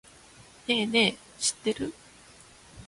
ねぇねぇ、知ってる？